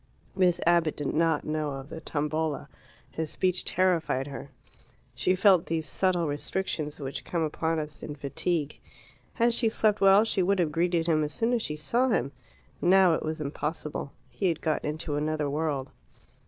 Miss Abbott did not know of the Tombola. His speech terrified her. She felt those subtle restrictions which come upon us in fatigue. Had she slept well she would have greeted him as soon as she saw him. Now it was impossible. He had got into another world.